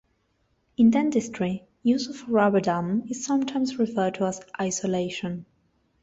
In dentistry, use of a rubber dam is sometimes referred to as "isolation".